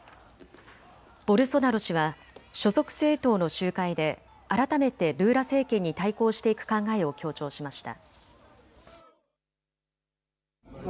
ボルソナロ氏は所属政党の集会で改めてルーラ政権に対抗していく考えを強調しました。